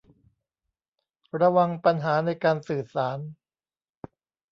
ระวังปัญหาในการสื่อสาร